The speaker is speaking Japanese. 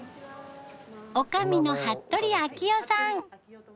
女将の服部章代さん。